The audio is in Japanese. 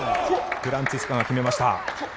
フランツィスカが決めました。